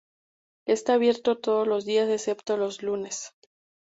Está abierto todos los días excepto los lunes.